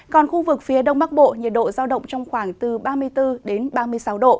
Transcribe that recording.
còn khu vực phía đông bắc bộ nhiệt độ giao động trong khoảng từ ba mươi bốn đến ba mươi sáu độ